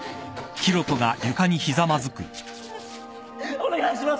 お願いします！